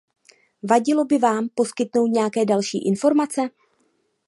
Vadilo by vám poskytnout nějaké další informace?